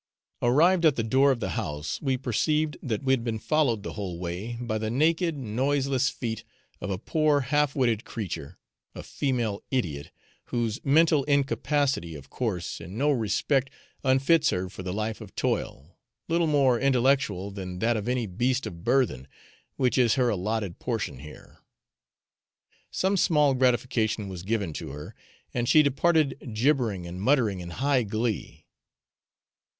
Arrived at the door of the house we perceived that we had been followed the whole way by the naked noiseless feet of a poor half witted creature, a female idiot, whose mental incapacity, of course, in no respect unfits her for the life of toil, little more intellectual than that of any beast of burthen, which is her allotted portion here. Some small gratification was given to her, and she departed gibbering and muttering in high glee.